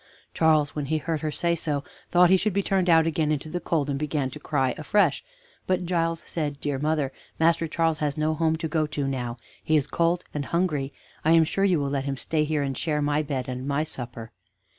Charles, when he heard her say so, thought he should be turned out again into the cold, and began to cry afresh; but Giles said: "Dear mother, Master Charles has no home to go to now; he is cold and hungry; I am sure you will let him stay here, and share my bed and my supper."